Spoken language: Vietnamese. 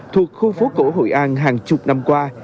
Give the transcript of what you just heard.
thuộc khu phố cổ hội an hàng chục năm qua